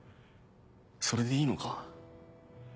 それでいいのか？